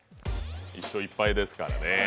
１勝１敗ですからね。